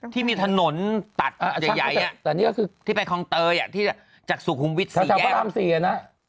ที่มีถนนตัดใหญ่ที่ไปคองเตยจากสุขุมวิทย์๔แหละ